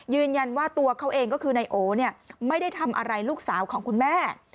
ยืนยันว่าตัวเขาเองก็คือนายโอไม่ได้ทำอะไรลูกสาวของคุณแม่